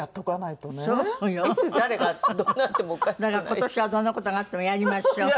だから今年はどんな事があってもやりましょう。